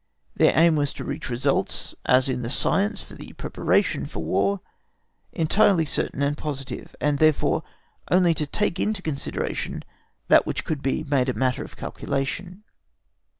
Their aim was to reach results, as in the science for the preparation for War, entirely certain and positive, and therefore only to take into consideration that which could be made matter of calculation.